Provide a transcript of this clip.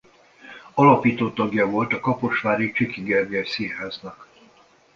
Alapító tagja volt a kaposvári Csiky Gergely Színháznak.